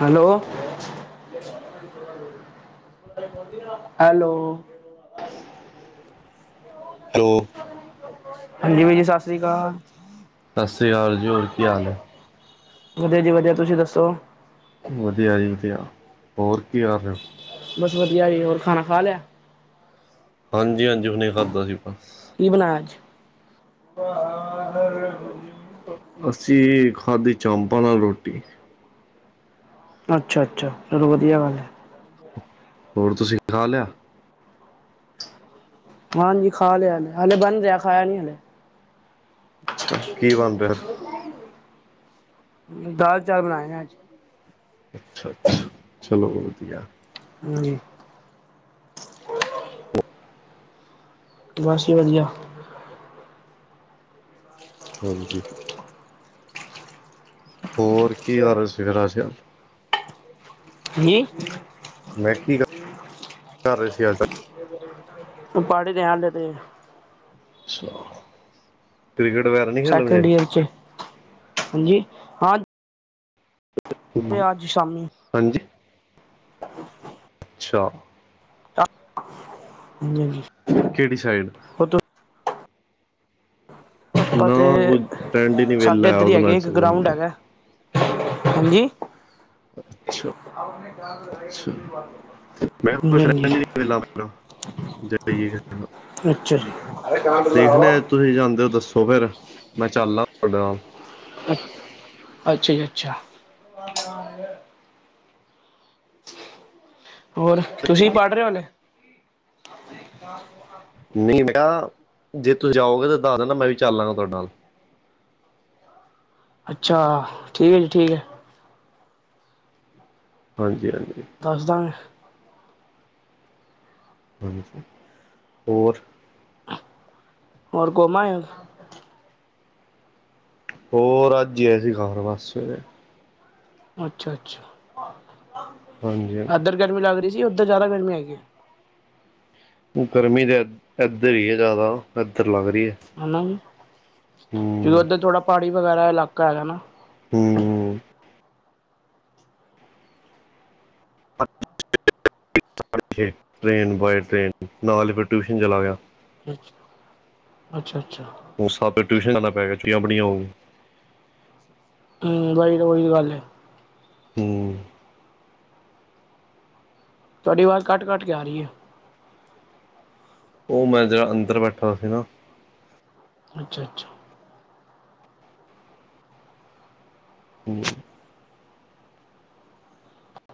Hello! Hello! Hello! ਹਾਂਜੀ, ਵੀਰ ਜੀ ਸਤਿ ਸ੍ਰੀ ਅਕਾਲ। ਸਤਿ ਸ਼੍ਰੀ ਅਕਾਲ ਜੀ ਹੋਰ ਕੀ ਹਾਲ ਹੈ? ਵਧੀਆ ਜੀ ਵਧੀਆ ਤੁਸੀਂ ਦੱਸੋ? ਵਧੀਆ ਜੀ ਵਧੀਆ ਹੋਰ ਕੀ ਕਰ ਰਹੇ ਹੋ? ਬਸ ਵਧੀਆ ਜੀ ਹੋਰ ਖਾਣਾ ਖਾ ਲਿਆ। ਹਾਂਜੀ-ਹਾਂਜੀ, ਹੁਣੇ ਖਾਦਾ ਸੀ ਆਪਾਂ। ਕੀ ਬਣਾਇਆ ਅੱਜ? ਅਸੀਂ ਖਾਦੀ ਚਾਪਾਂ ਨਾਲ ਰੋਟੀ। ਅੱਛਾ-ਅੱਛਾ, ਚਲੋ ਵਧੀਆ ਗੱਲ ਹੈ। ਹੋਰ ਤੁਸੀਂ ਖਾ ਲਿਆ? ਹਾਂਜੀ ਖਾ ਲਿਆ ਹਲੇ, ਹਲੇ ਬਨ ਰਿਹਾ ਖਾਇਆ ਨਹੀਂ ਹਲੇ। ਅੱਛਾ ਕੀ ਬਣ ਰਿਹਾ ਦਾਲ-ਚਾਵਲ ਬਣਾਏ ਨੇਂ ਅੱਜ। ਅੱਛਾ-ਅੱਛਾ, ਚਲੋ ਵਧੀਆ। ਹਾਂਜੀ। ਹੋਰ ਬਸ ਜੀ ਵਧੀਆ। ਹਾਂਜੀ। ਹੋਰ ਕੀ ਕਰ ਰਹੇ ਹੋ, ਤੁਸੀ ਅੱਜ-ਕਲ? ਕੀ? ਮੈਂ ਕੀ ਕਰ ਕਰ ਰਹੇ ਸੀ ਐਸਾ? ਪੜ੍ਹ ਰਿਹਾ ਹਲੇ ਤੇ। ਅੱਛਾ। ਕਿਕ੍ਰਟ ਵੈਗਰਾ ਸੈਕਿੰਡ ਏਅਰ ਚ, ਹਾਂਜੀ। ਤੇ ਅੱਜ ਸ਼ਾਮੀ। ਹਾਂਜੀ। [inaudible] ਅੱਛਾ। ਹਾਂਜੀ- ਹਾਂਜੀ। ਕਿਹੜੀ ਸਾਈਡ? ਨਾ ਕੋਈ ਫਰੈਂਡ ਹੀ ਨਹੀਂ ਸਾਡੇ ਵਿਹਲਾ ਇੱਧਰ ਹੀ ਉਹਦੇ ਨਾਲ ਹੈਗੇ ਇੱਕ ਚੱਲ ਗਰਾਊਂਡ ਜਾਂਦਾ ਹੈਗਾ। ਹਾਂਜੀ। [inaudible] ਅੱਛਾ ਅੱਛਾ ਮੈਂ ਕੋਈ ਹਾਂਜੀ-ਹਾਂਜੀ ਸਹਿਣ [inaudible] ਨੀੇਾਂਲ ਜਦੲਈ ਅੱਛਾ ਦੇਖਣਾ ਜੀ। ਤੁਸੀਂ ਜਾਂਦੇ ਹੋ ਦੱਸੋ ਫੇਰ। ਮੈਂ ਚੱਲਦਾ ਆ ਤੁਹਾਡੇ ਨਾਲ ਅੱ, ਅੱਛਾ ਜੀ, ਅੱਛਾ। [unintelligible] ਹੋਰ ਤੁਸੀਂ ਪੜ੍ਹ ਰਹੇ ਹੋ ਹਲੇ? ਨਹੀਂ ਬੇਟਾ। ਜੇ ਤੁਸੀਂ ਜਾਓਗੇ ਤੇ ਦੱਸ ਦੇਣਾ। ਮੈਂ ਵੀ ਚੱਲ ਲਾਂਗਾ ਤੁਹਾਡੇ ਨਾਲ ਅੱਛਾ। ਠੀਕ ਹੈ ਜੀ, ਠੀਕ ਹੈ। ਹਾਂਜੀ- ਹਾਂਜੀ। ਦੱਸ ਦਾਗੇ। ਹਾਂਜੀ। ਹੋਰ ਹੋਰ ਘੁੰਮ ਆਏ ਓ? ਹੋਰ ਅੱਜ ਹੀ ਆ ਸੀ। ਘਰ ਬਸ ਸਵੇਰੇ ਅੱਛਾ- ਅੱਛਾ। ਹਾਂਜੀ- ਹਾਂਜੀ। ਇੱਧਰ ਗਰਮੀ ਲੱਗ ਰਹੀ ਸੀ। ਉਧਰ ਜ਼ਿਆਦਾ ਗਰਮੀ ਹੈਗੀ ਹੈ। ਗਰਮੀ ਤਾਂ ਇੱਧਰ ਹੀ ਹੈ ਜ਼ਿਆਦਾ। ਇੱਧਰ ਲੱਗ ਰਹੀ ਹੈ। ਹਨਾ। ਹੂੰ ਉੱਧਰ ਥੋੜਾ ਪਹਾੜੀ ਵਗੈਰਾ ਇਲਾਕਾ ਹੈ ਨਾ ਹੂ ਸਾਢੇ ਛੇ ਟ੍ਰੇਨ ਬਾਏ ਟ੍ਰਰੇਨ ਨਾਲ ਹੀ ਫਿਰ ਟਿਊਸ਼ਨ ਚਲਾ ਗਿਆ। ਅੱਛਾ, ਅੱਛਾ-ਅੱਛਾ। ਉਹ ਸਭ ਟਿਊਸ਼ਨ ਜਾਣਾ ਪੈ ਗਿਆ। ਛੁੱਟੀਆਂ ਬੜੀਆਂ ਹੋਊ ਹੂ ਵਾਹੀ ਤਾਂ ਉਹੀ ਤਾਂ ਗੱਲ ਹੈ। ਹੂ ਤੁਹਾਡੀ ਆਵਾਜ਼ ਕੱਟ- ਕੱਟ ਕੇ ਆ ਰਹੀ ਹੈ। ਉਹ ਮੈਂ ਜਿਹੜਾ ਅੰਦਰ ਬੈਠਾ ਸੀ। ਨਾ ਅੱਛਾ -ਅੱਛਾ। ਹੂ